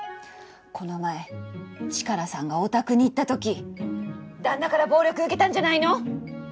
この前チカラさんがお宅に行った時旦那から暴力受けたんじゃないの？